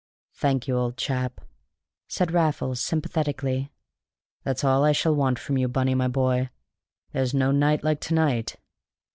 "Thank you, old chap," said Raffles sympathetically. "That's all I shall want from you, Bunny, my boy. There's no night like to night!"